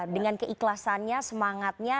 dengan keikhlasannya semangatnya